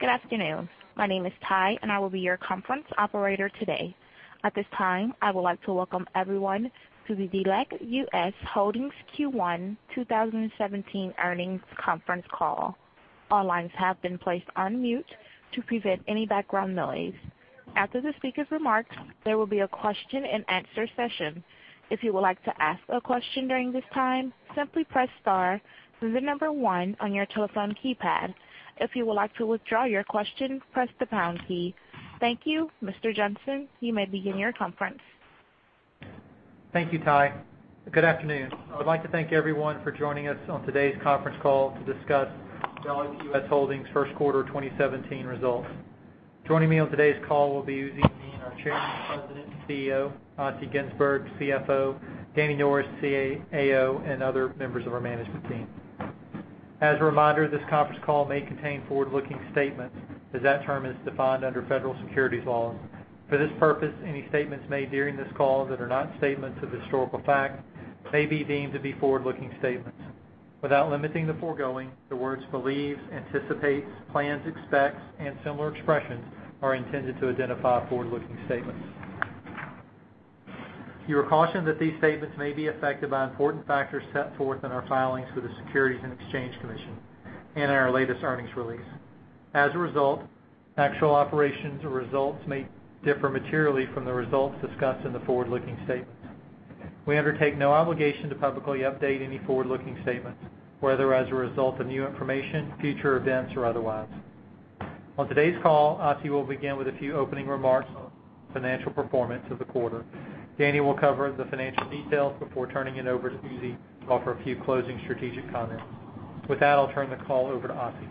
Good afternoon. My name is Ty, and I will be your conference operator today. At this time, I would like to welcome everyone to the Delek US Holdings Q1 2017 earnings conference call. All lines have been placed on mute to prevent any background noise. After the speaker's remarks, there will be a question and answer session. If you would like to ask a question during this time, simply press star, then 1 on your telephone keypad. If you would like to withdraw your question, press the pound key. Thank you. Mr. Johnson, you may begin your conference. Thank you, Ty. Good afternoon. I would like to thank everyone for joining us on today's conference call to discuss Delek US Holdings' first quarter 2017 results. Joining me on today's call will be Uzi Yemin, our Chairman, President, and CEO, Assi Ginzburg, CFO, Danny Norris, CAO, and other members of our management team. As a reminder, this conference call may contain forward-looking statements as that term is defined under federal securities laws. For this purpose, any statements made during this call that are not statements of historical fact may be deemed to be forward-looking statements. Without limiting the foregoing, the words believes, anticipates, plans, expects, and similar expressions are intended to identify forward-looking statements. You are cautioned that these statements may be affected by important factors set forth in our filings with the Securities and Exchange Commission and in our latest earnings release. As a result, actual operations or results may differ materially from the results discussed in the forward-looking statements. We undertake no obligation to publicly update any forward-looking statements, whether as a result of new information, future events, or otherwise. On today's call, Assi will begin with a few opening remarks on the financial performance of the quarter. Danny will cover the financial details before turning it over to Uzi to offer a few closing strategic comments. With that, I'll turn the call over to Assi.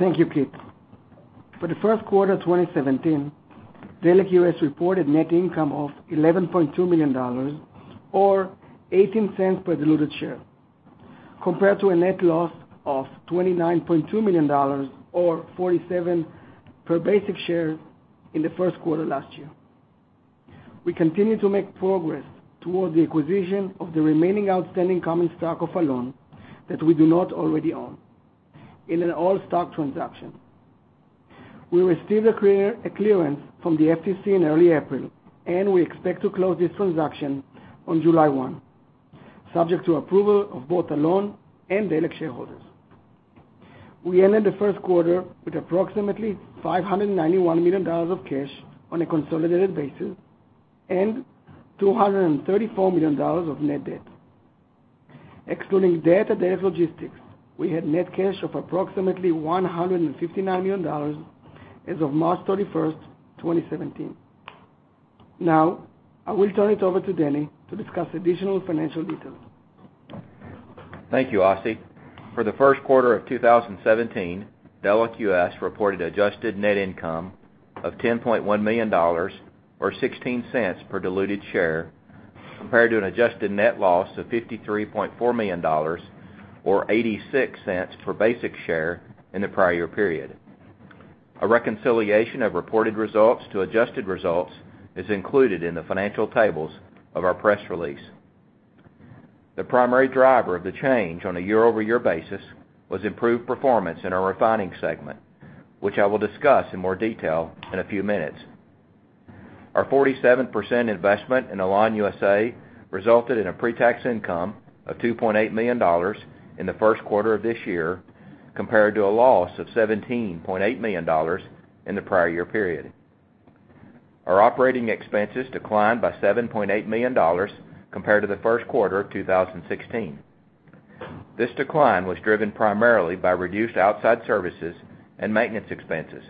Thank you, Keith. For the first quarter 2017, Delek US reported net income of $11.2 million, or $0.18 per diluted share, compared to a net loss of $29.2 million or $0.47 per basic share in the first quarter last year. We continue to make progress towards the acquisition of the remaining outstanding common stock of Alon that we do not already own in an all-stock transaction. We received a clearance from the FTC in early April, and we expect to close this transaction on July 1, subject to approval of both Alon and Delek shareholders. We ended the first quarter with approximately $591 million of cash on a consolidated basis and $234 million of net debt. Excluding debt at Delek Logistics, we had net cash of approximately $159 million as of March 31st, 2017. Now, I will turn it over to Danny to discuss additional financial details. Thank you, Assi. For the first quarter of 2017, Delek US reported adjusted net income of $10.1 million or $0.16 per diluted share, compared to an adjusted net loss of $53.4 million or $0.86 per basic share in the prior year period. A reconciliation of reported results to adjusted results is included in the financial tables of our press release. The primary driver of the change on a year-over-year basis was improved performance in our refining segment, which I will discuss in more detail in a few minutes. Our 47% investment in Alon USA resulted in a pre-tax income of $2.8 million in the first quarter of this year compared to a loss of $17.8 million in the prior year period. Our operating expenses declined by $7.8 million compared to the first quarter of 2016. This decline was driven primarily by reduced outside services and maintenance expenses.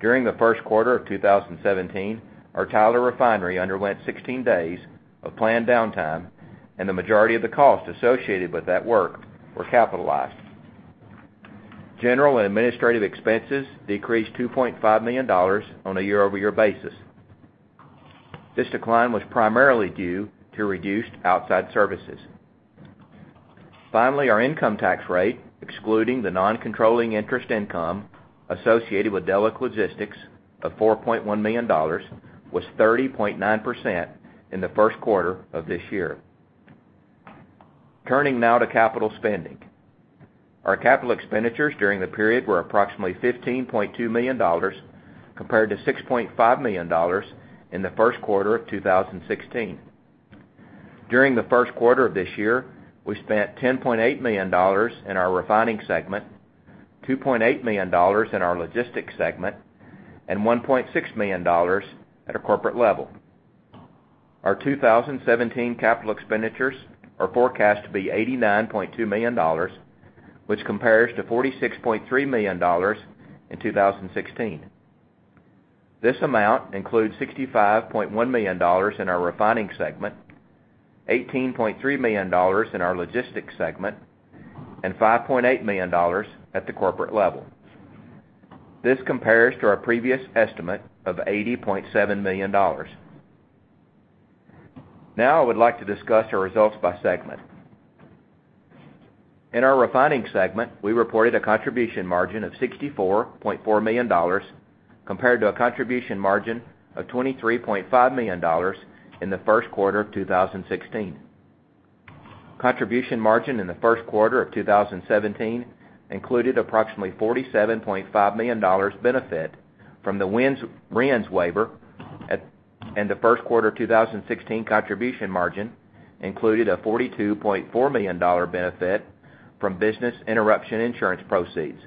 During the first quarter of 2017, our Tyler refinery underwent 16 days of planned downtime, and the majority of the costs associated with that work were capitalized. General and administrative expenses decreased $2.5 million on a year-over-year basis. This decline was primarily due to reduced outside services. Finally, our income tax rate, excluding the non-controlling interest income associated with Delek Logistics of $4.1 million, was 30.9% in the first quarter of this year. Turning now to capital spending. Our capital expenditures during the period were approximately $15.2 million, compared to $6.5 million in the first quarter of 2016. During the first quarter of this year, we spent $10.8 million in our refining segment, $2.8 million in our logistics segment, and $1.6 million at a corporate level. Our 2017 capital expenditures are forecast to be $89.2 million, which compares to $46.3 million in 2016. This amount includes $65.1 million in our refining segment, $18.3 million in our logistics segment, and $5.8 million at the corporate level. This compares to our previous estimate of $80.7 million. I would like to discuss our results by segment. In our refining segment, we reported a contribution margin of $64.4 million compared to a contribution margin of $23.5 million in the first quarter of 2016. Contribution margin in the first quarter of 2017 included approximately $47.5 million benefit from the RINs waiver, and the first quarter 2016 contribution margin included a $42.4 million benefit from business interruption insurance proceeds.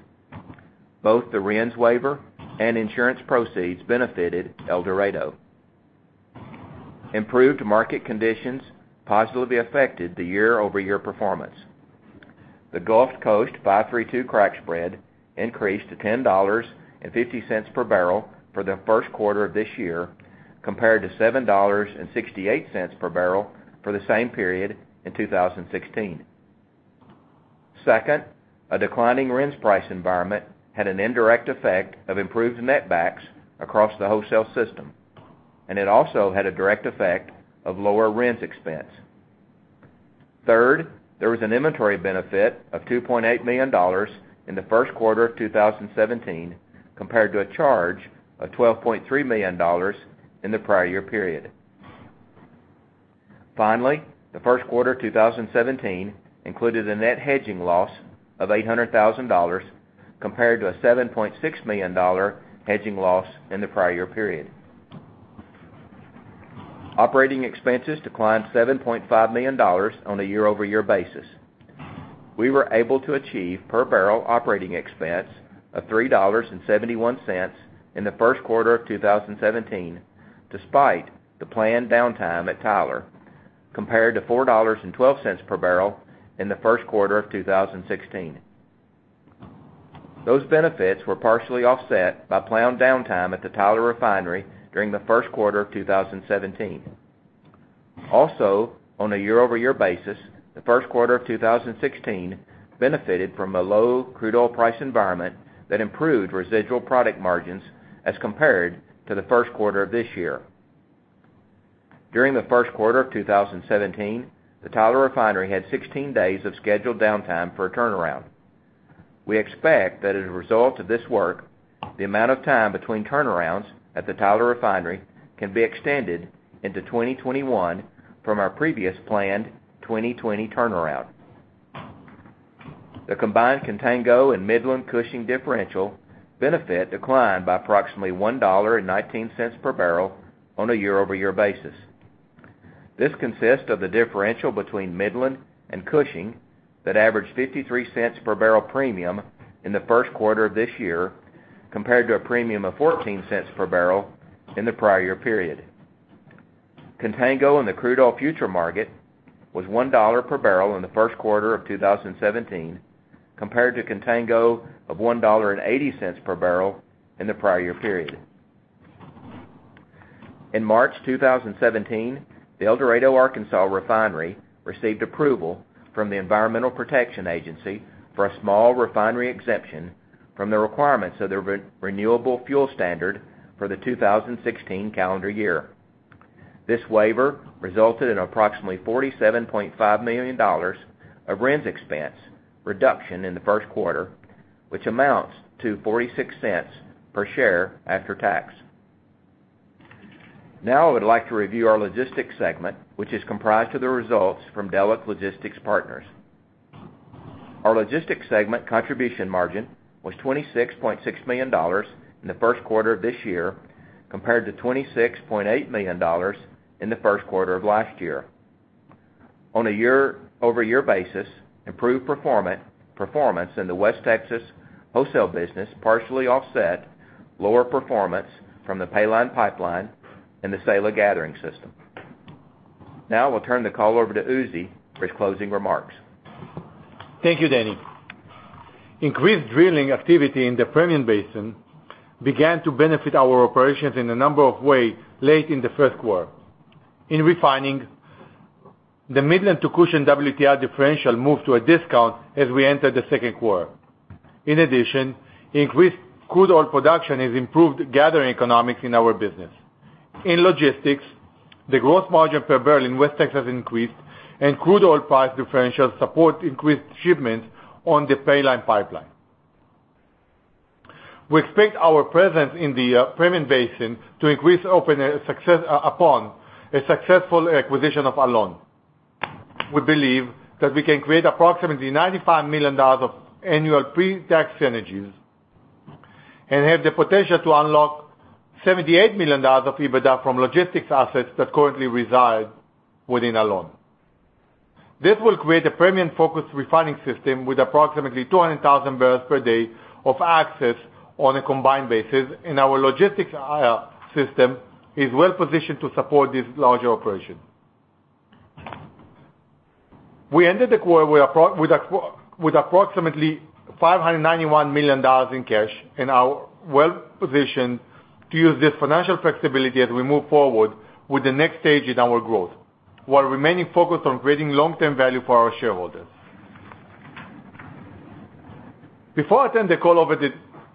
Both the RINs waiver and insurance proceeds benefited El Dorado. Improved market conditions positively affected the year-over-year performance. The Gulf Coast 5-3-2 crack spread increased to $10.50 per barrel for the first quarter of this year, compared to $7.68 per barrel for the same period in 2016. Second, a declining RINs price environment had an indirect effect of improved netbacks across the wholesale system, and it also had a direct effect of lower RINs expense. Third, there was an inventory benefit of $2.8 million in the first quarter of 2017, compared to a charge of $12.3 million in the prior year period. Finally, the first quarter 2017 included a net hedging loss of $800,000 compared to a $7.6 million hedging loss in the prior year period. Operating expenses declined $7.5 million on a year-over-year basis. We were able to achieve per-barrel operating expense of $3.71 in the first quarter of 2017 despite the planned downtime at Tyler, compared to $4.12 per barrel in the first quarter of 2016. Those benefits were partially offset by planned downtime at the Tyler refinery during the first quarter of 2017. On a year-over-year basis, the first quarter of 2016 benefited from a low crude oil price environment that improved residual product margins as compared to the first quarter of this year. During the first quarter of 2017, the Tyler refinery had 16 days of scheduled downtime for a turnaround. We expect that as a result of this work, the amount of time between turnarounds at the Tyler refinery can be extended into 2021 from our previous planned 2020 turnaround. The combined Contango and Midland-Cushing differential benefit declined by approximately $1.19 per barrel on a year-over-year basis. This consists of the differential between Midland and Cushing that averaged $0.53 per barrel premium in the first quarter of this year, compared to a premium of $0.14 per barrel in the prior year period. Contango in the crude oil future market was $1 per barrel in the first quarter of 2017, compared to Contango of $1.80 per barrel in the prior year period. In March 2017, the El Dorado, Arkansas refinery received approval from the Environmental Protection Agency for a small refinery exemption from the requirements of their Renewable Fuel Standard for the 2016 calendar year. This waiver resulted in approximately $47.5 million of RINs expense reduction in the first quarter, which amounts to $0.46 per share after tax. I would like to review our logistics segment, which is comprised of the results from Delek Logistics Partners. Our logistics segment contribution margin was $26.6 million in the first quarter of this year, compared to $26.8 million in the first quarter of last year. On a year-over-year basis, improved performance in the West Texas wholesale business partially offset lower performance from the Paline Pipeline and the SALA Gathering System. I will turn the call over to Uzi for his closing remarks. Thank you, Danny. Increased drilling activity in the Permian Basin began to benefit our operations in a number of ways late in the first quarter. In refining, the Midland to Cushing WTI differential moved to a discount as we entered the second quarter. In addition, increased crude oil production has improved gathering economics in our business. In logistics, the gross margin per barrel in West Texas increased, and crude oil price differentials support increased shipments on the Paline Pipeline. We expect our presence in the Permian Basin to increase upon a successful acquisition of Alon. We believe that we can create approximately $95 million of annual pre-tax synergies and have the potential to unlock $78 million of EBITDA from logistics assets that currently reside within Alon. This will create a Permian-focused refining system with approximately 200,000 barrels per day of access on a combined basis, and our logistics II system is well-positioned to support this larger operation. We ended the quarter with approximately $591 million in cash and are well-positioned to use this financial flexibility as we move forward with the next stage in our growth while remaining focused on creating long-term value for our shareholders. Before I turn the call over to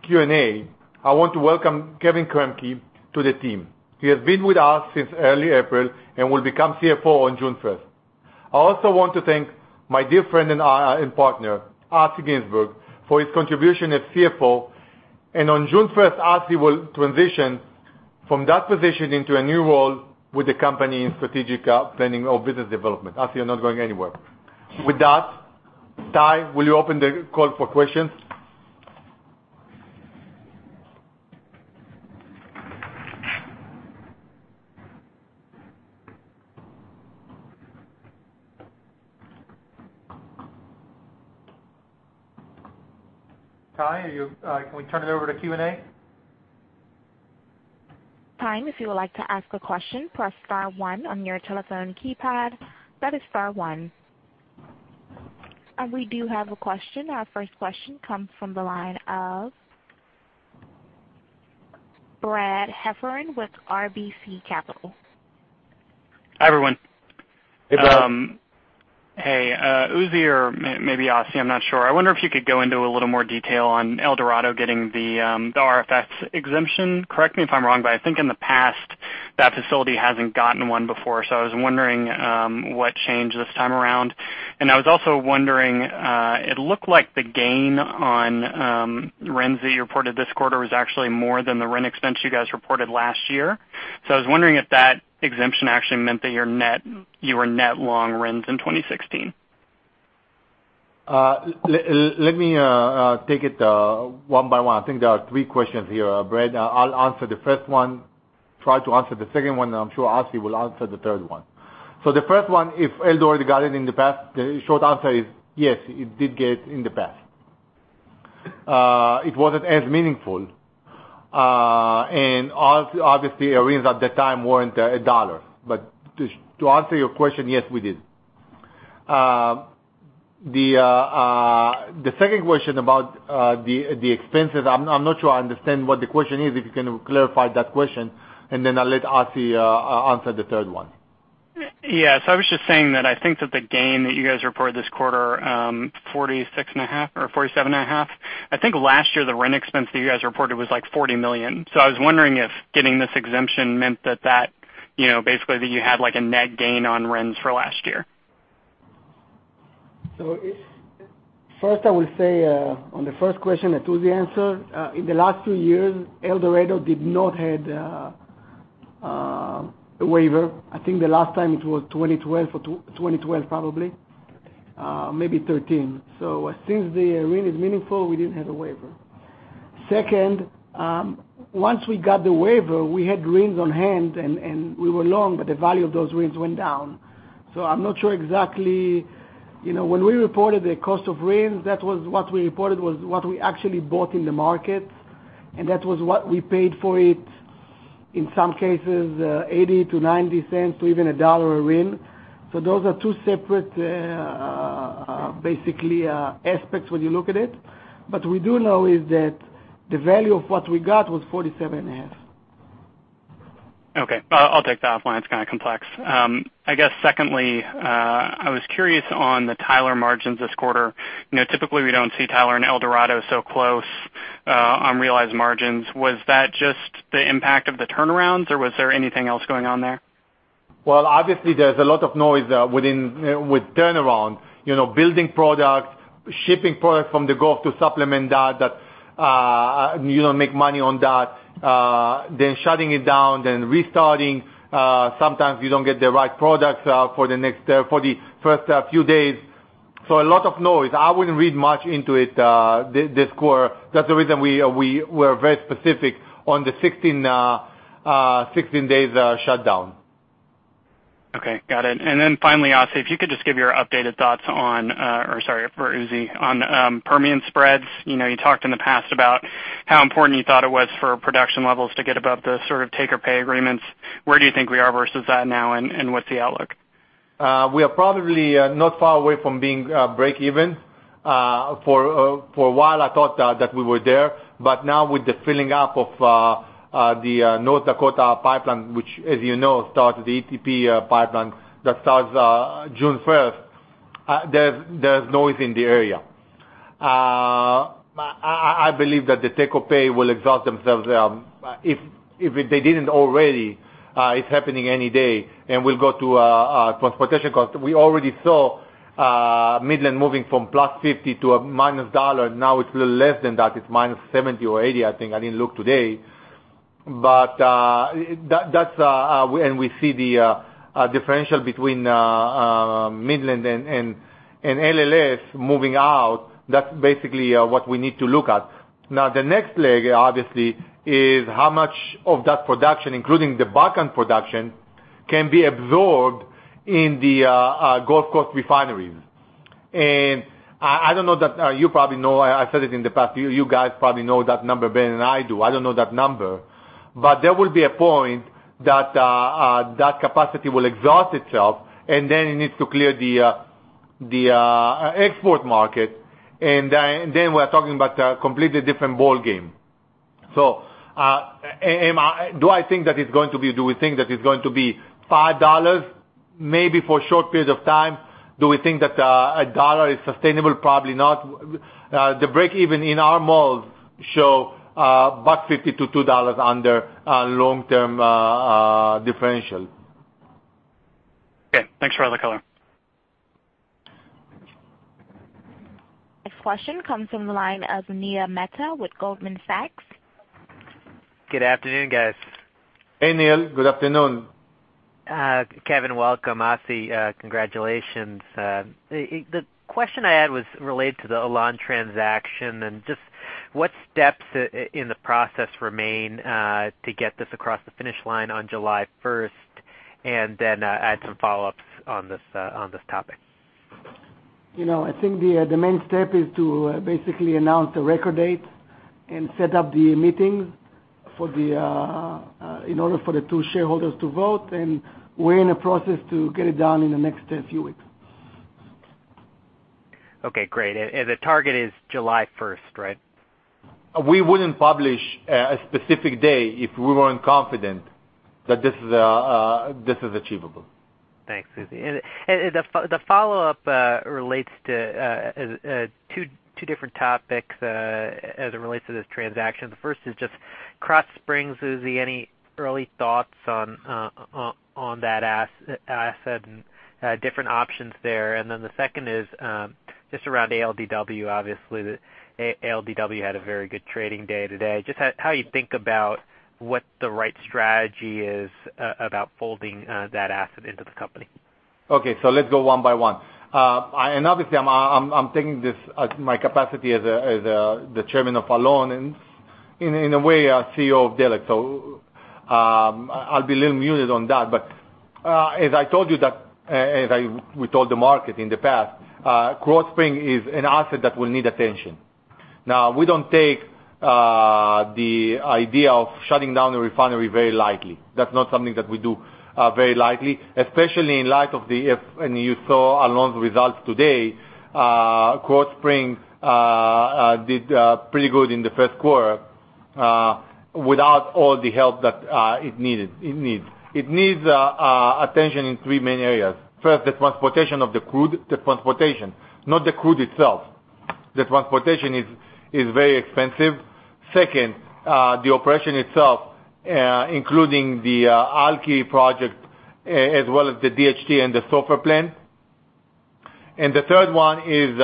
Q&A, I want to welcome Kevin Kremke to the team. He has been with us since early April and will become CFO on June 1st. I also want to thank my dear friend and partner, Assi Ginzburg, for his contribution as CFO. On June 1st, Assi will transition from that position into a new role with the company in strategic planning or business development. Assi, you're not going anywhere. With that, Ty, will you open the call for questions? Ty, can we turn it over to Q&A? Ty. If you would like to ask a question, press star one on your telephone keypad. That is star one. We do have a question. Our first question comes from the line of Brad Heffern with RBC Capital. Hi, everyone. Hey, Brad. Hey. Uzi or maybe Assi, I'm not sure. I wonder if you could go into a little more detail on El Dorado getting the RFS exemption. Correct me if I'm wrong, but I think in the past, that facility hasn't gotten one before. I was wondering what changed this time around. I was also wondering, it looked like the gain on RINs that you reported this quarter was actually more than the RIN expense you guys reported last year. I was wondering if that exemption actually meant that you were net long RINs in 2016. Let me take it one by one. I think there are three questions here, Brad. I'll answer the first one, try to answer the second one, and I'm sure Assi will answer the third one. The first one, if El Dorado got it in the past, the short answer is yes, it did get it in the past. It wasn't as meaningful. And obviously, RINs at that time weren't a dollar. To answer your question, yes, we did. The second question about the expenses, I'm not sure I understand what the question is. If you can clarify that question, and then I'll let Assi answer the third one. I was just saying that I think that the gain that you guys reported this quarter, $46.5 million or $47.5 million. I think last year, the RIN expense that you guys reported was like $40 million. I was wondering if getting this exemption meant that basically you had like a net gain on RINs for last year. First, I will say, on the first question that Uzi answered, in the last 2 years, El Dorado did not have a waiver. I think the last time it was 2012, probably. Maybe 2013. Since the RIN is meaningful, we didn't have a waiver. Second, once we got the waiver, we had RINs on hand and we were long, but the value of those RINs went down. I'm not sure exactly. When we reported the cost of RINs, what we reported was what we actually bought in the market, and that was what we paid for it. In some cases, $0.80-$0.90 to even $1.00 a RIN. Those are two separate basically aspects when you look at it. What we do know is that the value of what we got was $47.5 million. Okay. I'll take that offline. It's kind of complex. I guess secondly, I was curious on the Tyler margins this quarter. Typically, we don't see Tyler and El Dorado so close on realized margins. Was that just the impact of the turnarounds, or was there anything else going on there? Well, obviously, there's a lot of noise with turnaround. Building product, shipping product from the Gulf to supplement that. You don't make money on that. Shutting it down, restarting. Sometimes you don't get the right products for the first few days. A lot of noise. I wouldn't read much into it this quarter. That's the reason we were very specific on the 16 days shutdown. Okay, got it. Finally, Assi, if you could just give your updated thoughts on, or sorry for Uzi, on Permian spreads. You talked in the past about how important you thought it was for production levels to get above the sort of take or pay agreements. Where do you think we are versus that now, and what's the outlook? We are probably not far away from being break even. For a while, I thought that we were there, but with the filling up of the Dakota Access Pipeline, which, as you know, starts the ETP pipeline that starts June 1st, there's noise in the area. I believe that the take or pay will exhaust themselves. If they didn't already, it's happening any day, and we'll go to transportation cost. We already saw Midland moving from +$0.50 to a -$1. Now it's a little less than that. It's -$0.70 or -$0.80, I think. I didn't look today. We see the differential between Midland and LLS moving out. That's basically what we need to look at. The next leg, obviously, is how much of that production, including the Bakken production, can be absorbed in the Gulf Coast refineries. I don't know that you probably know, I said it in the past, you guys probably know that number better than I do. I don't know that number. There will be a point that capacity will exhaust itself, it needs to clear the export market, we're talking about a completely different ballgame. Do we think that it's going to be $5? Maybe for a short period of time. Do we think that $1 is sustainable? Probably not. The break even in our models show about $0.50-$2 under long-term differential. Okay, thanks for all the color. Next question comes from the line of Neil Mehta with Goldman Sachs. Good afternoon, guys. Hey, Neil, good afternoon. Kevin, welcome. Assi, congratulations. The question I had was related to the Alon transaction, and just what steps in the process remain to get this across the finish line on July 1st, and then I had some follow-ups on this topic. I think the main step is to basically announce the record date and set up the meeting in order for the two shareholders to vote. We're in a process to get it done in the next few weeks. Okay, great. The target is July 1st, right? We wouldn't publish a specific day if we weren't confident that this is achievable. Thanks, Uzi. The follow-up relates to two different topics as it relates to this transaction. The first is just Krotz Springs, Uzi, any early thoughts on that asset and different options there? The second is just around ALDW. Obviously, ALDW had a very good trading day today. Just how you think about what the right strategy is about folding that asset into the company. Let's go one by one. I'm taking this as my capacity as the chairman of Alon, and in a way, CEO of Delek, I'll be a little muted on that. As I told you that, as we told the market in the past, Krotz Springs is an asset that will need attention. We don't take the idea of shutting down a refinery very lightly. That's not something that we do very lightly, especially in light of the, and you saw Alon's results today, Krotz Springs did pretty good in the first quarter without all the help that it needs. It needs attention in three main areas. First, the transportation of the crude, the transportation, not the crude itself. The transportation is very expensive. Second, the operation itself including the Alky project as well as the DHT and the sulfur plant. The third one is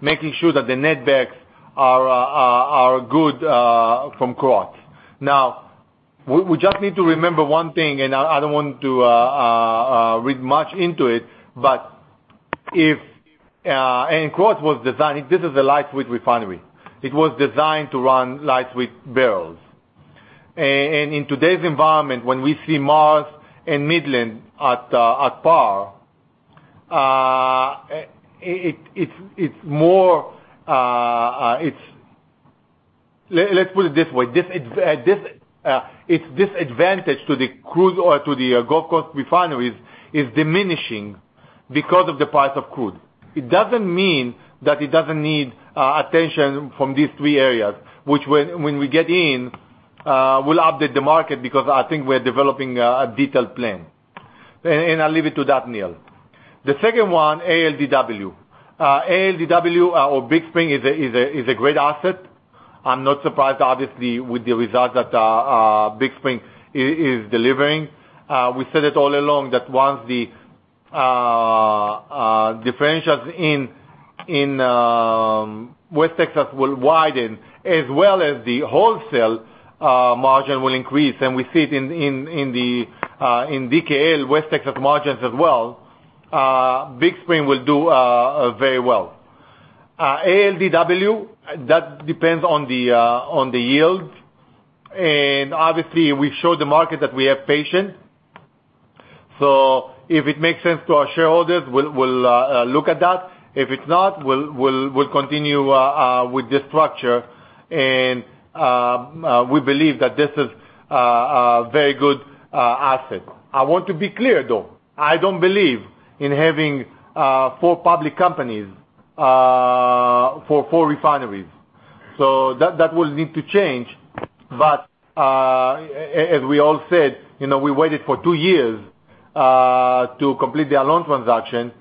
making sure that the netbacks are good from Krotz. We just need to remember one thing, I don't want to read much into it, Krotz was designed, this is a lightweight refinery. It was designed to run lightweight barrels. In today's environment, when we see Mars and Midland at par, let's put it this way. Its disadvantage to the crude oil to the Gulf Coast refineries is diminishing because of the price of crude. It doesn't mean that it doesn't need attention from these three areas, which when we get in, we'll update the market because I think we're developing a detailed plan. I'll leave it to that, Neil. The second one, ALDW. ALDW or Big Spring is a great asset. I'm not surprised, obviously, with the results that Big Spring is delivering. We said it all along that once the differentials in West Texas will widen as well as the wholesale margin will increase, and we see it in DKL West Texas margins as well, Big Spring will do very well. ALDW, that depends on the yield, and obviously, we show the market that we are patient. If it makes sense to our shareholders, we'll look at that. If it's not, we'll continue with this structure, and we believe that this is a very good asset. I want to be clear, though. I don't believe in having four public companies for four refineries. That will need to change. As we all said, we waited for two years to complete the Alon transaction.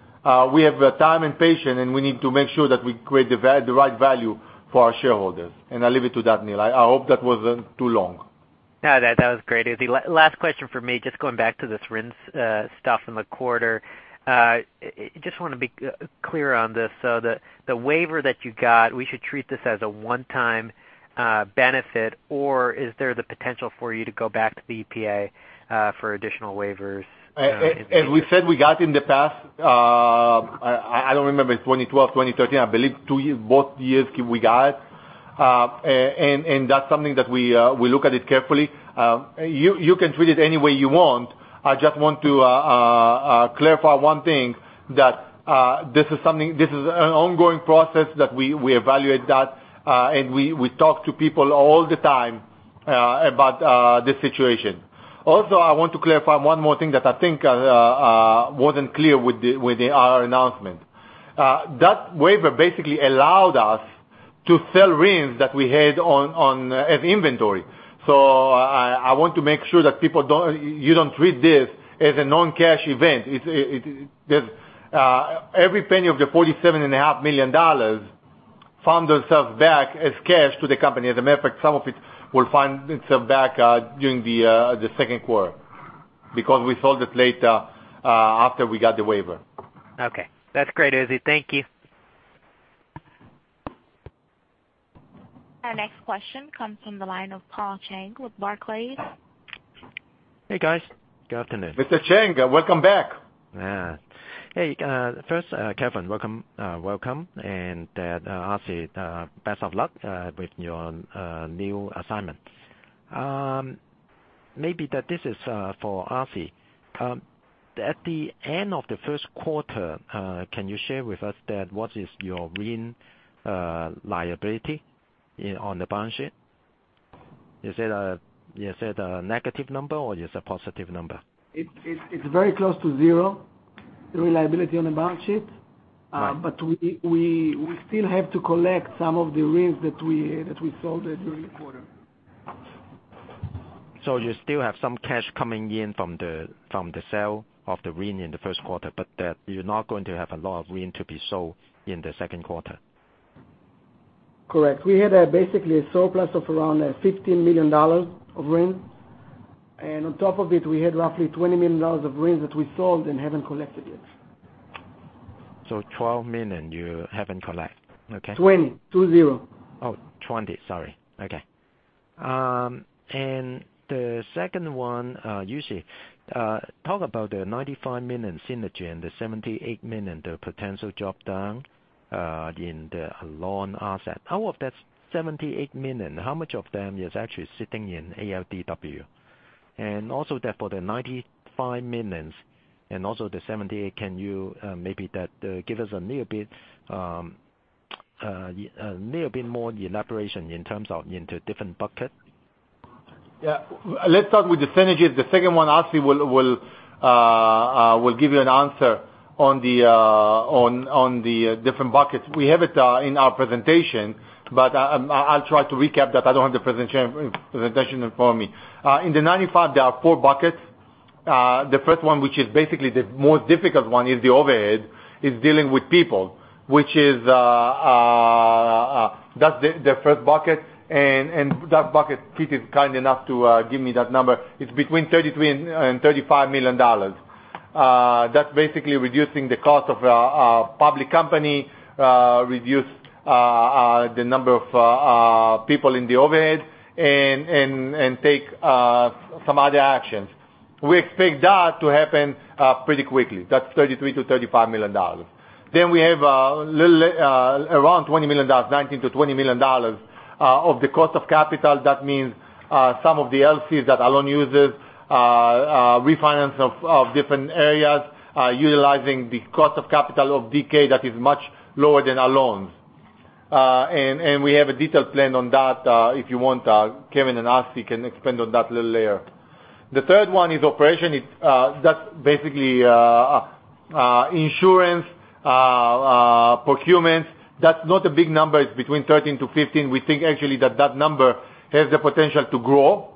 We have the time and patience, and we need to make sure that we create the right value for our shareholders. I leave it to that, Neil. I hope that wasn't too long. That was great, Uzi. Last question for me, just going back to this RINs stuff in the quarter. Just want to be clear on this. The waiver that you got, we should treat this as a one-time benefit, or is there the potential for you to go back to the EPA for additional waivers? As we said we got in the past, I don't remember if 2012, 2013, I believe both years we got. That's something that we look at it carefully. You can treat it any way you want. I just want to clarify one thing, that this is an ongoing process that we evaluate that, and we talk to people all the time about this situation. I want to clarify one more thing that I think wasn't clear with our announcement. That waiver basically allowed us to sell RINs that we had as inventory. I want to make sure that you don't treat this as a non-cash event. Every penny of the $47.5 million found itself back as cash to the company. As a matter of fact, some of it will find itself back during the second quarter. Because we sold it later after we got the waiver. That's great, Uzi. Thank you. Our next question comes from the line of Paul Cheng with Barclays. Hey, guys. Good afternoon. Mr. Cheng, welcome back. Yeah. Hey, first, Kevin, welcome, and Assi, best of luck with your new assignment. Maybe this is for Assi. At the end of the first quarter, can you share with us what is your RIN liability on the balance sheet? Is it a negative number or is it a positive number? It's very close to zero, the liability on the balance sheet. Right. We still have to collect some of the RINs that we sold during the quarter. You still have some cash coming in from the sale of the RIN in the first quarter, but that you're not going to have a lot of RIN to be sold in the second quarter. Correct. We had basically a surplus of around $15 million of RIN. On top of it, we had roughly $20 million of RIN that we sold and haven't collected yet. $20 million you haven't collected. Okay. 20. 2, 0. Oh, 20. Sorry. Okay. The second one, Uzi Yemin. Talk about the $95 million synergy and the $78 million, the potential drop down in the Alon asset. Out of that $78 million, how much of them is actually sitting in ALDW? Also there for the $95 million and also the $78 million, can you maybe give us a little bit more elaboration in terms of into different buckets? Yeah. Let's start with the synergies. The second one, Assi will give you an answer on the different buckets. We have it in our presentation, but I do not have the presentation in front of me. In the $95 million, there are four buckets. The first one, which is basically the most difficult one, is the overhead, is dealing with people, that is the first bucket. That bucket, Pete is kind enough to give me that number. It is between $33 million and $35 million. That is basically reducing the cost of a public company, reduce the number of people in the overhead, and take some other actions. We expect that to happen pretty quickly. That is $33 million-$35 million. Then we have around $20 million, $19 million-$20 million of the cost of capital. That means some of the LCs that Alon uses, refinance of different areas, utilizing the cost of capital of DK that is much lower than Alon's. We have a detailed plan on that. If you want, Kevin and Assi can expand on that little later. The third one is operation. That is basically insurance, procurement. That is not a big number. It is between $13 million and $15 million. We think actually that that number has the potential to grow.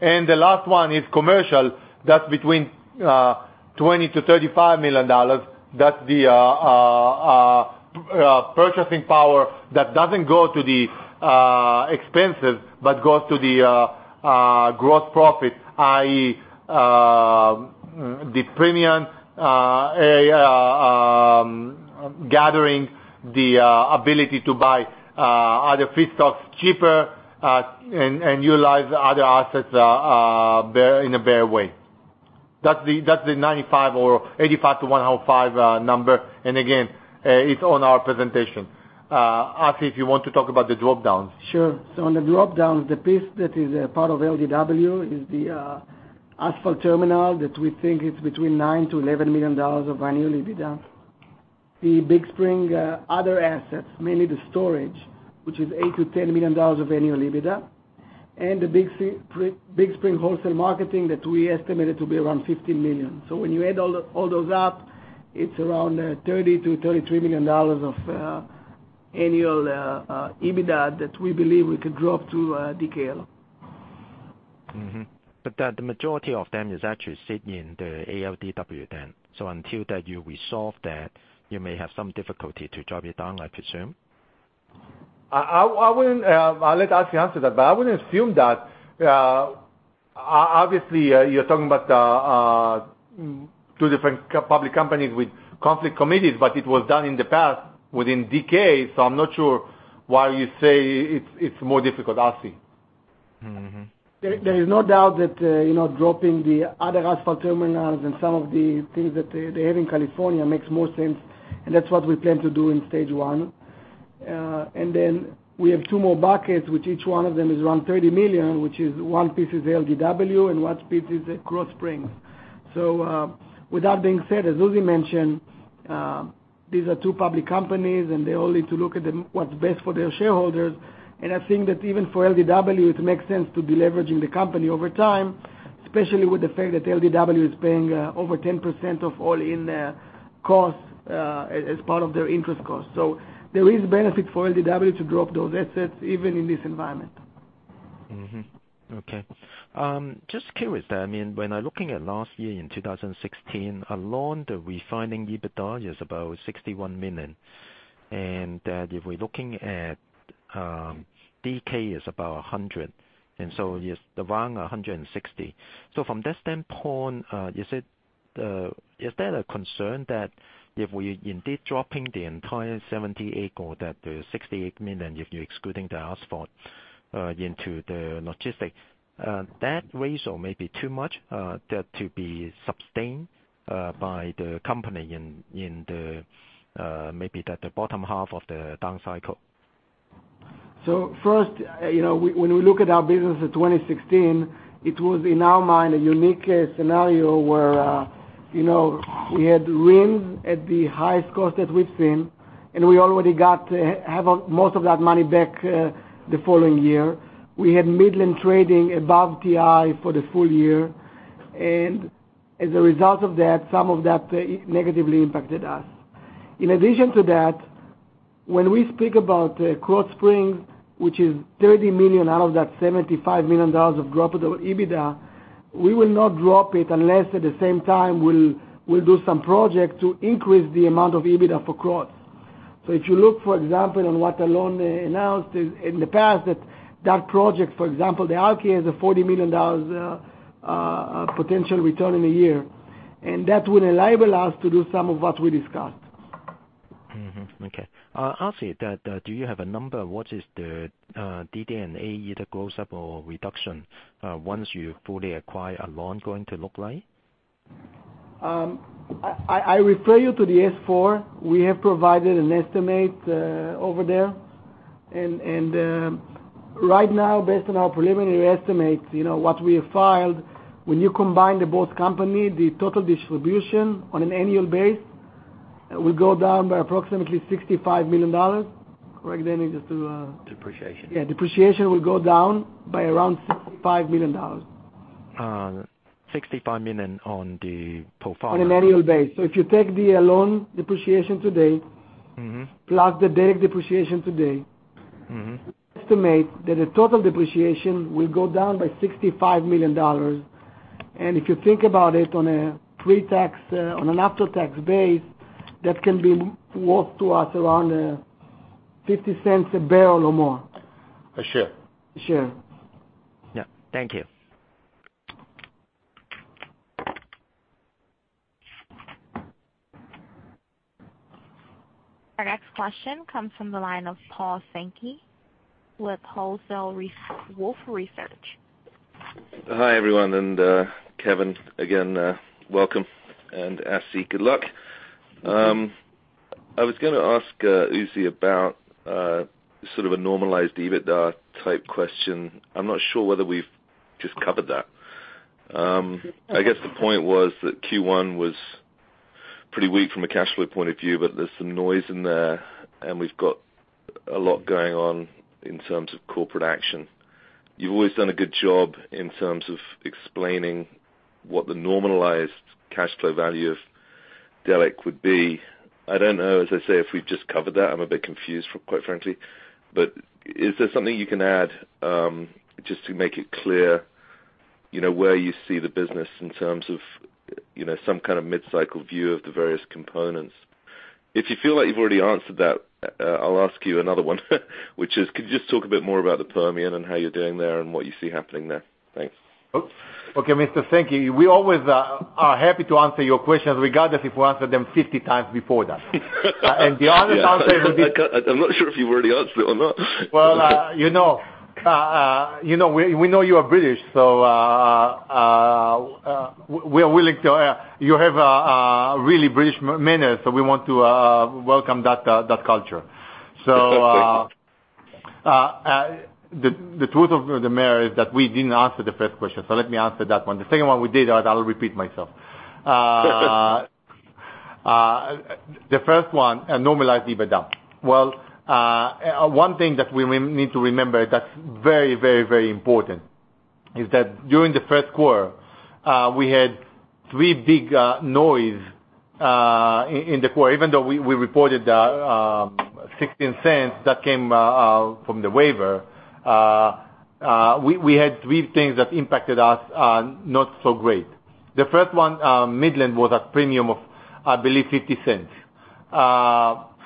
The last one is commercial. That is between $20 million and $35 million. That is the purchasing power that does not go to the expenses but goes to the gross profit, i.e., the premiums, gathering the ability to buy other feedstocks cheaper, and utilize other assets in a better way. That is the $95 million or $85 million-$105 million number. Again, it is on our presentation. Assi, if you want to talk about the drop downs. On the drop downs, the piece that is part of ALDW is the asphalt terminal that we think is between $9 million-$11 million of annual EBITDA. The Big Spring other assets, mainly the storage, which is $8 million-$10 million of annual EBITDA. The Big Spring wholesale marketing that we estimated to be around $15 million. When you add all those up, it's around $30 million-$33 million of annual EBITDA that we believe we could drop to DKL. The majority of them is actually sitting in the ALDW then. Until you resolve that, you may have some difficulty to drop it down, I presume? I'll let Assi answer that. I wouldn't assume that. Obviously, you're talking about two different public companies with conflict committees, it was done in the past within DK, I'm not sure why you say it's more difficult. Assi. There is no doubt that dropping the other asphalt terminals and some of the things that they have in California makes more sense. That's what we plan to do in stage 1. We have two more buckets, which each one of them is around $30 million, which is one piece is ALDW and one piece is at Krotz Springs. With that being said, as Uzi mentioned, these are two public companies. They all need to look at what's best for their shareholders. I think that even for ALDW, it makes sense to be leveraging the company over time, especially with the fact that ALDW is paying over 10% of all in cost as part of their interest cost. There is benefit for ALDW to drop those assets even in this environment. Mm-hmm. Okay. Just curious there. When I'm looking at last year in 2016, Alon, the refining EBITDA is about $61 million. That if we're looking at DK is about $100, it's around $160. From that standpoint, is there a concern that if we're indeed dropping the entire $78 or that $68 million, if you're excluding the asphalt into the logistics, that ratio may be too much to be sustained by the company in the bottom half of the down cycle? First, when we look at our business in 2016, it was in our mind a unique scenario where we had RIN at the highest cost that we've seen, and we already got most of that money back the following year. We had Midland trading above WTI for the full year, and as a result of that, some of that negatively impacted us. In addition to that, when we speak about Krotz Springs, which is $30 million out of that $75 million of drop of the EBITDA, we will not drop it unless at the same time we'll do some project to increase the amount of EBITDA for Krotz. If you look, for example, on what Alon announced in the past, that project, for example, the RK, has a $40 million potential return in a year, and that will enable us to do some of what we discussed. Mm-hmm. Okay. Assi, do you have a number? What is the DD&A either close-up or reduction once you fully acquire Alon going to look like? I refer you to the S-4. We have provided an estimate over there. Right now, based on our preliminary estimates, what we have filed, when you combine the both company, the total distribution on an annual base will go down by approximately $65 million. Correct me, Danny. Depreciation. Yeah, depreciation will go down by around $65 million. $65 million on the pro forma. On an annual base. If you take the Alon depreciation today- plus the Delek depreciation today- estimate that the total depreciation will go down by $65 million. If you think about it on an after-tax basis, that can be worth to us around $0.50 a barrel or more. A share. A share. Yeah. Thank you. Our next question comes from the line of Paul Sankey with Wolfe Research. Hi, everyone, and Kevin, again, welcome, and Assi, good luck. I was going to ask Uzi about sort of a normalized EBITDA type question. I'm not sure whether we've just covered that. I guess the point was that Q1 was pretty weak from a cash flow point of view, but there's some noise in there, and we've got a lot going on in terms of corporate action. You've always done a good job in terms of explaining what the normalized cash flow value of Delek would be. I don't know, as I say, if we've just covered that. I'm a bit confused, quite frankly. Is there something you can add, just to make it clear, where you see the business in terms of some kind of mid-cycle view of the various components? If you feel like you've already answered that, I'll ask you another one which is, could you just talk a bit more about the Permian and how you're doing there and what you see happening there? Thanks. Okay, Mr. Sankey. We always are happy to answer your questions regardless if we answered them 50 times before that. The honest answer would be. I'm not sure if you've already answered it or not. We know you are British. You have a really British manner, we want to welcome that culture. Thank you. The truth of the matter is that we didn't answer the first question. Let me answer that one. The second one we did, otherwise I will repeat myself. The first one, a normalized EBITDA. One thing that we may need to remember that's very important is that during the first quarter, we had three big noise in the quarter. Even though we reported $0.16 that came from the waiver. We had three things that impacted us not so great. The first one, Midland, was a premium of, I believe, $0.50.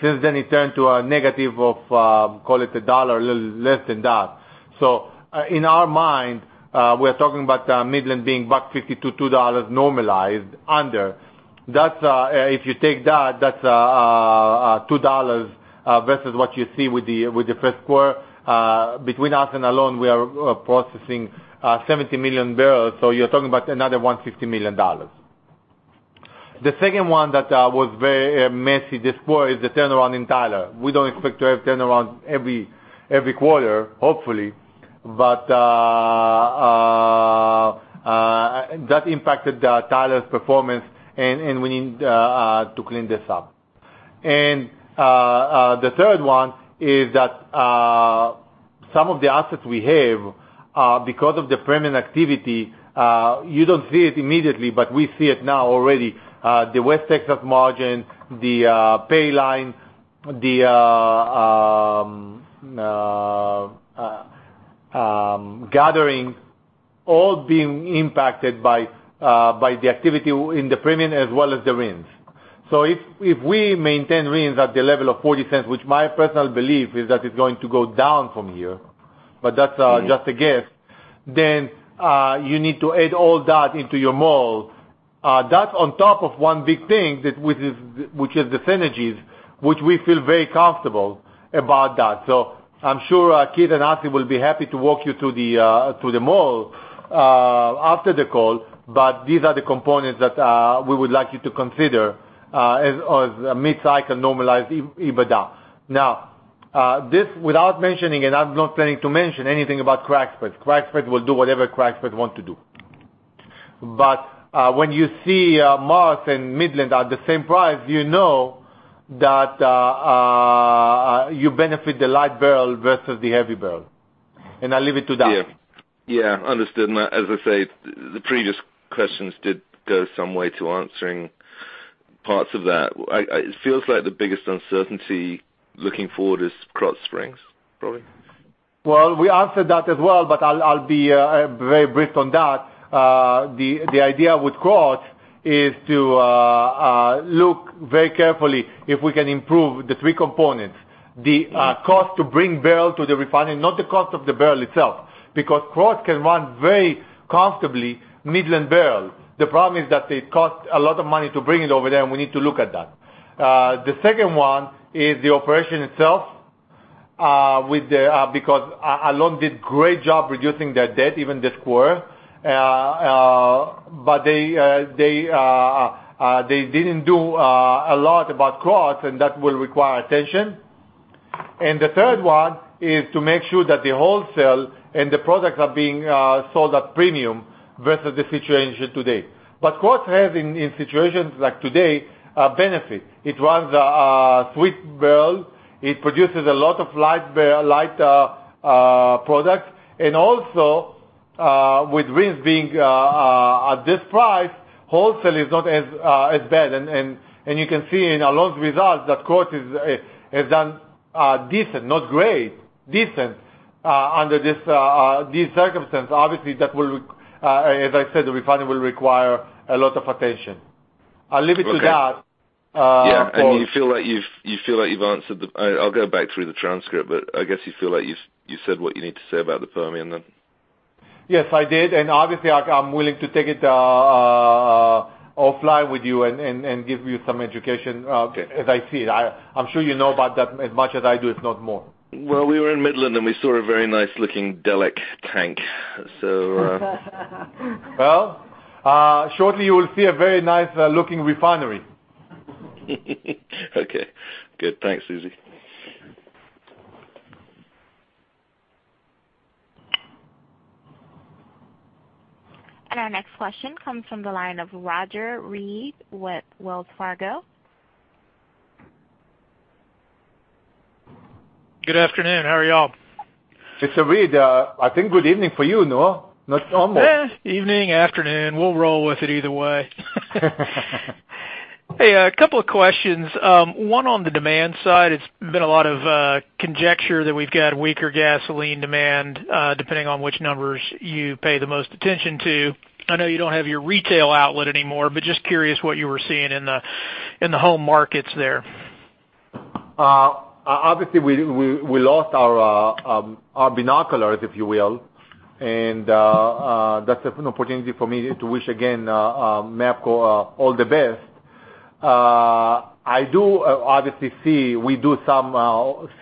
Since then, it turned to a negative of, call it $1, a little less than that. In our mind, we're talking about Midland being back $0.50 to $2 normalized under. If you take that's $2 versus what you see with the first quarter. Between us and Alon, we are processing 70 million barrels, you're talking about another $150 million. The second one that was very messy this quarter is the turnaround in Tyler. We don't expect to have turnaround every quarter, hopefully. That impacted Tyler's performance, and we need to clean this up. The third one is that some of the assets we have, because of the Permian activity, you don't see it immediately, but we see it now already. The West Texas margin, the Paline, the Gathering all being impacted by the activity in the Permian as well as the RINs. If we maintain RINs at the level of $0.40, which my personal belief is that it's going to go down from here, that's just a guess, you need to add all that into your model. That's on top of one big thing, which is the synergies, which we feel very comfortable about that. I'm sure Keith and Assi will be happy to walk you through the model after the call, these are the components that we would like you to consider as mid-cycle normalized EBITDA. This without mentioning, and I'm not planning to mention anything about crack spread. Crack spread will do whatever crack spread want to do. When you see Mars and Midland at the same price, you know that you benefit the light barrel versus the heavy barrel, I'll leave it to that. Yeah. Understood. As I say, the previous questions did go some way to answering parts of that. It feels like the biggest uncertainty looking forward is Krotz Springs, probably. Well, we answered that as well, but I'll be very brief on that. The idea with Krotz is to look very carefully if we can improve the three components. The cost to bring barrel to the refinery, not the cost of the barrel itself, because Cross can run very comfortably Midland barrel. The problem is that it costs a lot of money to bring it over there, and we need to look at that. The second one is the operation itself, because Alon did great job reducing their debt, even this quarter. They didn't do a lot about Cross and that will require attention. The third one is to make sure that the wholesale and the products are being sold at premium versus the situation today. Cross has, in situations like today, a benefit. It runs sweet barrel. It produces a lot of light products. Also, with RINs being at this price, wholesale is not as bad. You can see in Alon's results that Cross has done decent, not great, decent under these circumstances. Obviously, as I said, the refinery will require a lot of attention. I'll leave it to that. Okay. Yeah. You feel like you've answered. I'll go back through the transcript, but I guess you feel like you said what you need to say about the Permian then? Yes, I did. Obviously, I'm willing to take it offline with you and give you some education. Okay as I see it. I'm sure you know about that as much as I do, if not more. We were in Midland, and we saw a very nice-looking Delek tank. Shortly you will see a very nice-looking refinery. Okay, good. Thanks, Uzi. Our next question comes from the line of Roger Read with Wells Fargo. Good afternoon. How are y'all? Mr. Read, I think good evening for you, no? Not almost. Evening, afternoon. We'll roll with it either way. Hey, a couple of questions. One on the demand side, it's been a lot of conjecture that we've got weaker gasoline demand, depending on which numbers you pay the most attention to. I know you don't have your retail outlet anymore, but just curious what you were seeing in the whole markets there. Obviously, we lost our binoculars, if you will. That's an opportunity for me to wish again, MAPCO all the best. I do obviously see, we do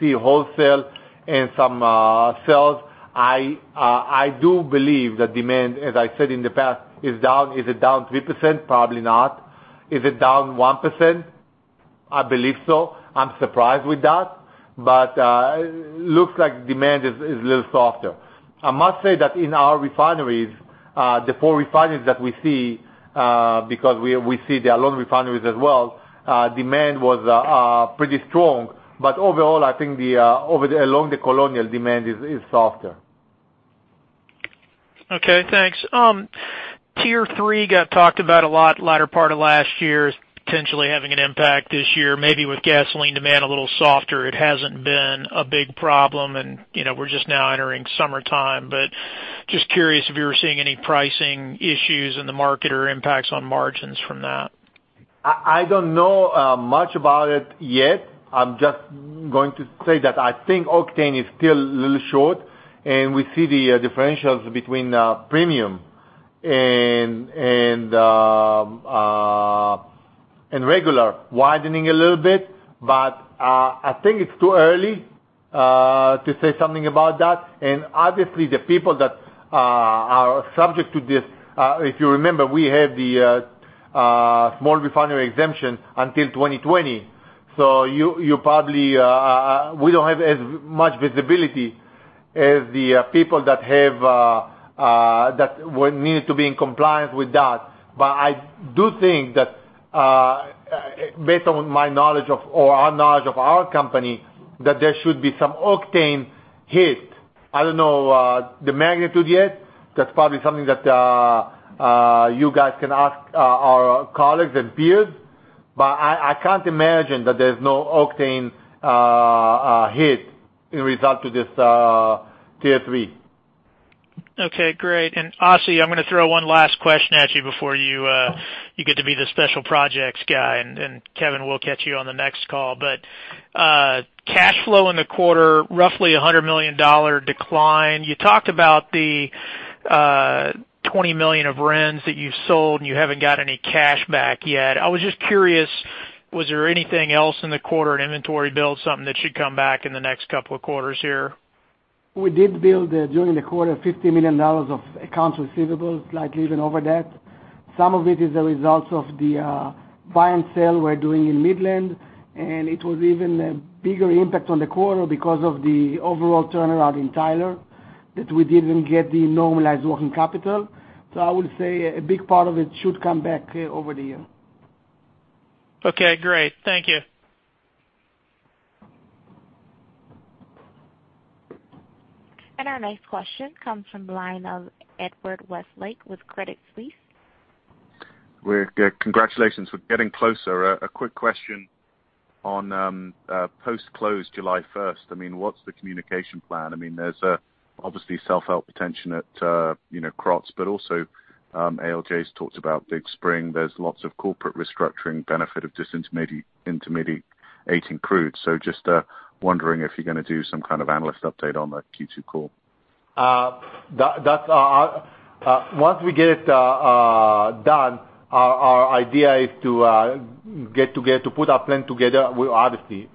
see wholesale and some sales. I do believe that demand, as I said in the past, is down. Is it down 3%? Probably not. Is it down 1%? I believe so. I'm surprised with that. Looks like demand is a little softer. I must say that in our refineries, the four refineries that we see, because we see the Alon refineries as well, demand was pretty strong. Overall, I think along the Colonial Pipeline demand is softer. Okay, thanks. Tier 3 got talked about a lot latter part of last year, potentially having an impact this year. Maybe with gasoline demand a little softer, it hasn't been a big problem, and we're just now entering summertime. Just curious if you were seeing any pricing issues in the market or impacts on margins from that. I don't know much about it yet. I'm just going to say that I think octane is still a little short, and we see the differentials between premium and regular widening a little bit. I think it's too early to say something about that. Obviously, the people that are subject to this, if you remember, we had the small refinery exemption until 2020. We don't have as much visibility as the people that need to be in compliance with that. I do think that based on my knowledge or our knowledge of our company, that there should be some octane hit. I don't know the magnitude yet. That's probably something that you guys can ask our colleagues and peers. I can't imagine that there's no octane hit in result to this Tier 3. Okay, great. Assi, I'm going to throw one last question at you before you get to be the special projects guy, and then Kevin will catch you on the next call. Cash flow in the quarter, roughly $100 million decline. You talked about the $20 million of RINs that you've sold, and you haven't got any cash back yet. I was just curious, was there anything else in the quarter, an inventory build, something that should come back in the next couple of quarters here? We did build, during the quarter, $50 million of accounts receivable, slightly even over that. Some of it is the results of the buy and sell we're doing in Midland. It was even a bigger impact on the quarter because of the overall turnaround in Tyler, that we didn't get the normalized working capital. I would say a big part of it should come back over the year. Okay, great. Thank you. Our next question comes from the line of Edward Westlake with Credit Suisse. Congratulations. We're getting closer. A quick question on post-close July 1st. What's the communication plan? There's obviously self-help tension at Krotz. Also ALDW's talked about Big Spring. There's lots of corporate restructuring benefit of disintermediating crude. Just wondering if you're going to do some kind of analyst update on that Q2 call. Once we get it done, our idea is to put our plan together. Obviously,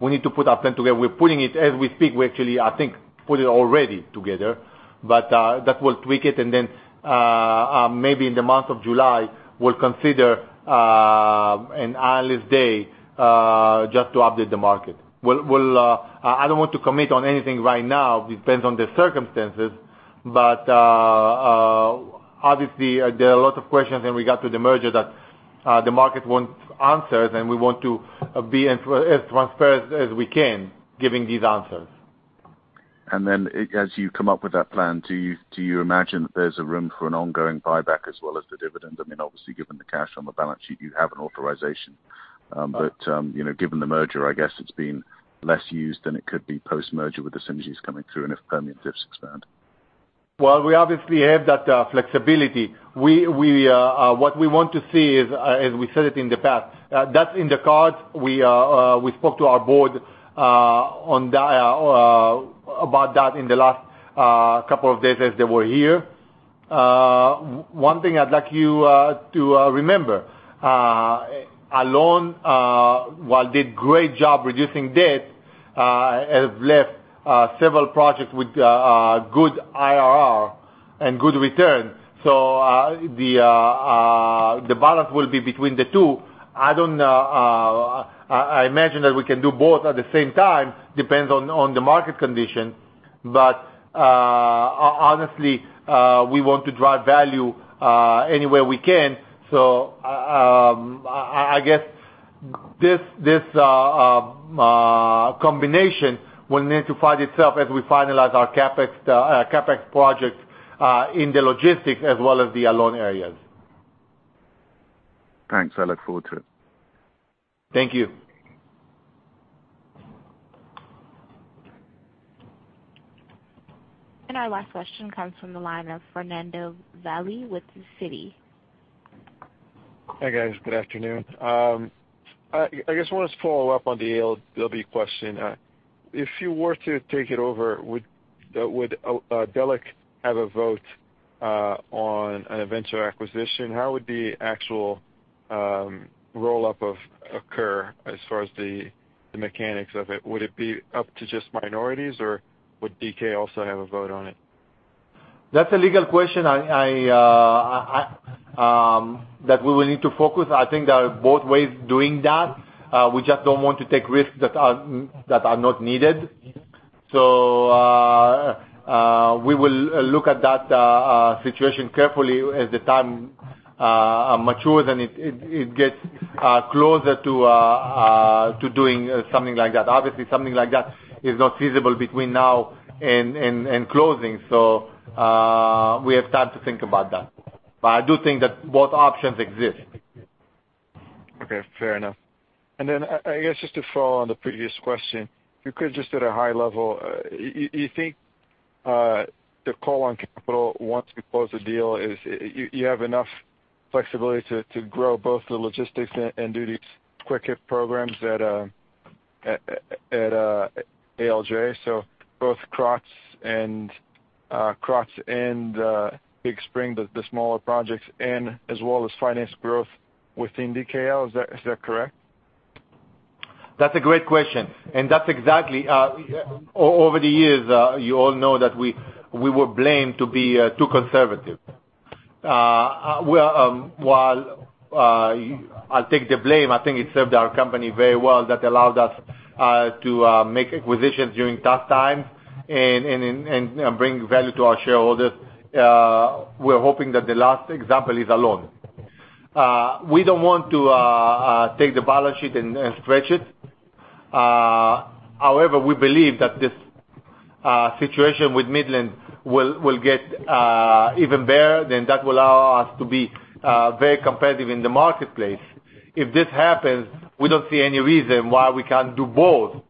we need to put our plan together. We're putting it as we speak. We actually, I think, put it already together. That we'll tweak it and then maybe in the month of July, we'll consider an analyst day, just to update the market. I don't want to commit on anything right now. It depends on the circumstances. Obviously, there are a lot of questions in regard to the merger that the market wants answers, and we want to be as transparent as we can, giving these answers. Then as you come up with that plan, do you imagine that there's a room for an ongoing buyback as well as the dividend? Obviously, given the cash on the balance sheet, you have an authorization. Given the merger, I guess it's been less used than it could be post-merger with the synergies coming through and if Permian dips expand. Well, we obviously have that flexibility. What we want to see is, as we said it in the past, that's in the cards. We spoke to our board about that in the last couple of days as they were here. One thing I'd like you to remember. Alon, while did great job reducing debt, have left several projects with good IRR and good return. The balance will be between the two. I imagine that we can do both at the same time, depends on the market condition. Honestly, we want to drive value, anywhere we can. I guess this combination will need to find itself as we finalize our CapEx projects in the logistics as well as the Alon areas. Thanks. I look forward to it. Thank you. Our last question comes from the line of Fernando Valle with Citi. Hi, guys. Good afternoon. I just want to follow up on the ALDW question. If you were to take it over, would Delek have a vote on a venture acquisition? How would the actual roll-up occur as far as the mechanics of it? Would it be up to just minorities, or would DK also have a vote on it? That's a legal question that we will need to focus. I think there are both ways doing that. We just don't want to take risks that are not needed. We will look at that situation carefully as the time matures, and it gets closer to doing something like that. Obviously, something like that is not feasible between now and closing. We have time to think about that. I do think that both options exist. Okay, fair enough. I guess just to follow on the previous question, if you could just at a high level, you think the call on capital once we close the deal is you have enough flexibility to grow both the logistics and do these quick hit programs at Alon, so both Krotz and Big Spring, the smaller projects in as well as finance growth within DKL. Is that correct? That's a great question. Over the years, you all know that we were blamed to be too conservative. While I'll take the blame, I think it served our company very well. That allowed us to make acquisitions during tough times and bring value to our shareholders. We're hoping that the last example is Alon. We don't want to take the balance sheet and stretch it. However, we believe that this situation with Midland will get even better, that will allow us to be very competitive in the marketplace. If this happens, we don't see any reason why we can't do both,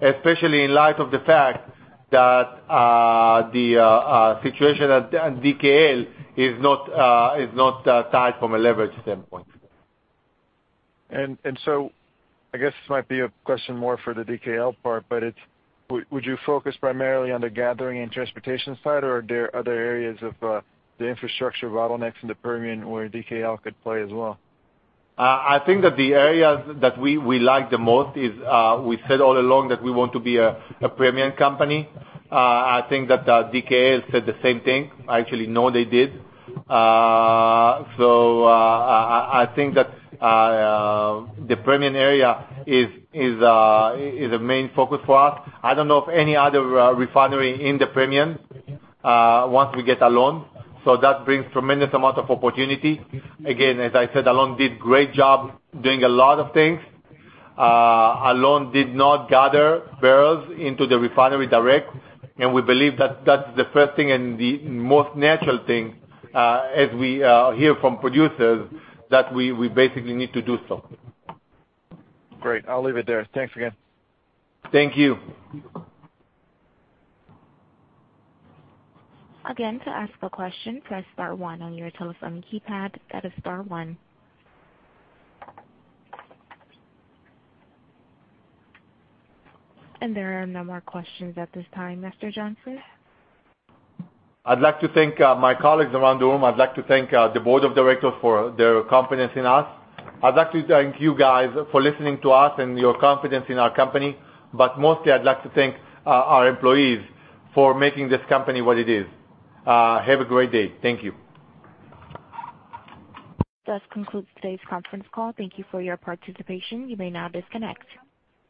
especially in light of the fact that the situation at DKL is not tied from a leverage standpoint. I guess this might be a question more for the DKL part, but would you focus primarily on the gathering and transportation side or are there other areas of the infrastructure bottlenecks in the Permian where DKL could play as well? I think that the areas that we like the most is, we said all along that we want to be a Permian company. I think that DKL said the same thing. I actually know they did. I think that the Permian area is a main focus for us. I don't know of any other refinery in the Permian once we get Alon. That brings tremendous amount of opportunity. Again, as I said, Alon did great job doing a lot of things. Alon did not gather barrels into the refinery direct, and we believe that that's the first thing and the most natural thing, as we hear from producers, that we basically need to do so. Great. I'll leave it there. Thanks again. Thank you. To ask a question, press star one on your telephone keypad. That is star one. There are no more questions at this time, Mr. Johnson. I'd like to thank my colleagues around the room. I'd like to thank the board of directors for their confidence in us. I'd like to thank you guys for listening to us and your confidence in our company, but mostly I'd like to thank our employees for making this company what it is. Have a great day. Thank you. This concludes today's conference call. Thank you for your participation. You may now disconnect.